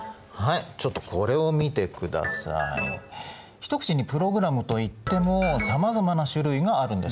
一口にプログラムといってもさまざまな種類があるんです。